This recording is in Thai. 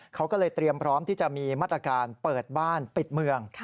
เขาก็เลยเตรียมพร้อมที่จะมีมาตรการเปิดบ้านปิดเมือง